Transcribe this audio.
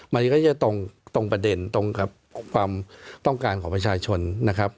มันก็จะตรงประเด็นตรงกับความต้องการของประชาชนนะครับ